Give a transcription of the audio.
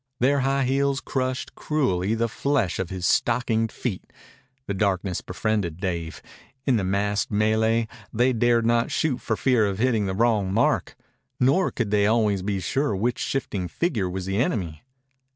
Their high heels crushed cruelly the flesh of his stockinged feet. The darkness befriended Dave. In the massed mêlée they dared not shoot for fear of hitting the wrong mark. Nor could they always be sure which shifting figure was the enemy.